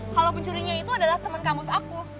kalau pencurinya itu adalah teman kamus aku